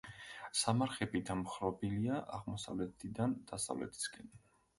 სამარხები დამხრობილია აღმოსავლეთიდან დასავლეთისკენ.